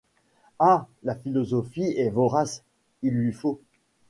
Ah ! la philosophie est vorace ! il lui faut